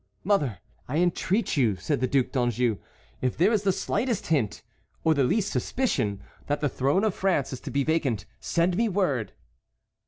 "Mother, I entreat you," said the Duc d'Anjou, "if there is the slightest hint, or the least suspicion, that the throne of France is to be vacant, send me word."